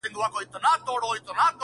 رسېدلى وو يو دم بلي دنيا ته!!